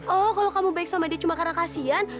oh kalau kamu baik sama dia cuma karena kasihan